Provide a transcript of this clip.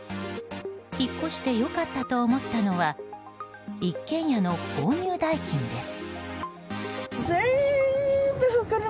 引っ越して良かったと思ったのは一軒家の購入代金です。